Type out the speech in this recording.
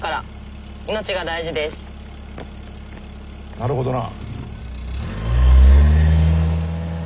なるほどな。